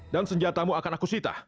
dan senjatamu akan aku sitah